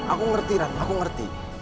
aku ngerti ran aku ngerti